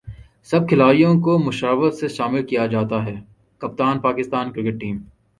سب کھلاڑیوں کومشاورت سےشامل کیاجاتاہےکپتان پاکستان کرکٹ ٹیم